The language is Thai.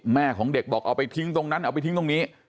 แม่ของเด็กบอกเอาไปทิ้งตรงนั้นเอาไปทิ้งตรงนี้